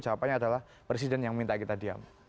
jawabannya adalah presiden yang minta kita diam